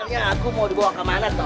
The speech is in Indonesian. ternyata aku mau dibawa kemana toh